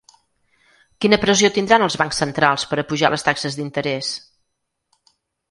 Quina pressió tindran els bancs centrals per a apujar les taxes d’interès?